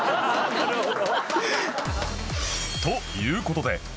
なるほど。